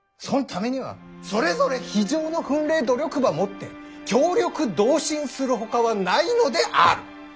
そんためにはそれぞれ非常の奮励努力ばもって協力同心するほかはないのである。